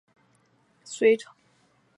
其子杨玄感后来反叛隋朝。